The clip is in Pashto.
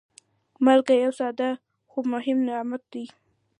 مالګه یو ساده، خو مهم نعمت دی.